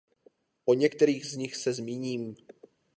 O některých z nich se zmíním.